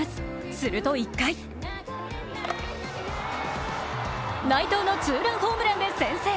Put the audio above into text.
すると１回、内藤のツーランホームランで先制。